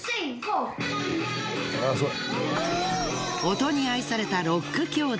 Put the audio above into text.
音に愛されたロック兄妹。